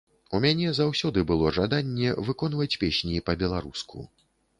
У мяне заўсёды было жаданне выконваць песні па-беларуску.